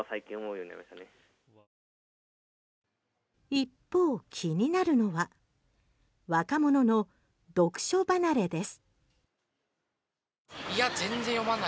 一方、気になるのは若者の読書離れです。